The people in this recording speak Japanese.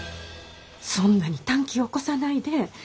そんなに短気を起こさないで。